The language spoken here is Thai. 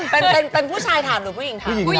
เป็นผู้ชายถามหรือผู้หญิงถาม